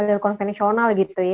dan konvensional gitu ya